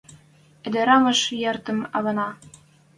Ӹдӹрӓмӓш! Яратым ӓвӓнӓ!